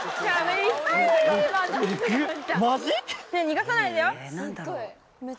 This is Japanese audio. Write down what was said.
逃がさないでよ！